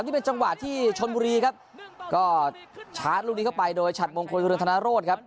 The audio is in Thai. นี่เป็นจังหวะที่ชนบุรีครับก็ชาร์จลูกนี้เข้าไปโดยฉัดมงคลกรุณธนโรธครับ